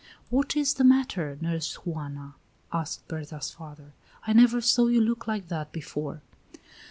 "What is the matter, Nurse Juana?" asked Berta's father. "I never saw you look like that before."